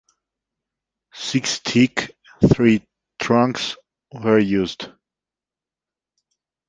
Six teak tree trunks were used.